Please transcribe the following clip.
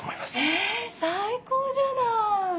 え最高じゃない！